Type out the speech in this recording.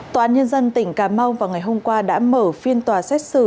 tòa án nhân dân tỉnh cà mau vào ngày hôm qua đã mở phiên tòa xét xử